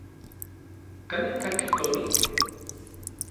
¿Kanin kajki komitl?